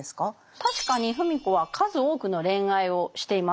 確かに芙美子は数多くの恋愛をしています。